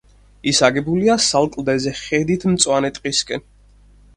ის აგებულია სალ კლდეზე ხედით მწვანე ტყისკენ.